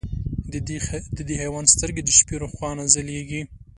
د دې حیوان سترګې د شپې روښانه ځلېږي.